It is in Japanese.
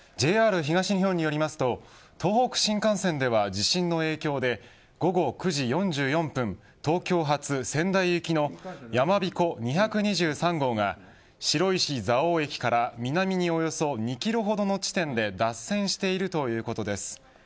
ＪＲ東日本によりますと東北新幹線では地震の影響で午後９時４４分東京発仙台行きのやまびこ２２３号が白石蔵王駅から南におよそ２キロほどの地点で脱線してるということです。